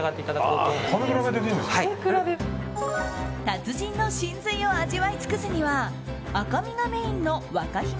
達人の神髄を味わい尽くすには赤身がメインの若姫